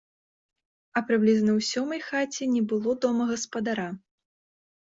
А прыблізна ў сёмай хаце не было дома гаспадара.